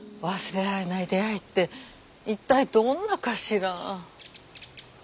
忘れられない出会いって一体どんなかしら？